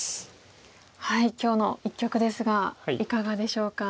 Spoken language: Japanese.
今日の一局ですがいかがでしょうか？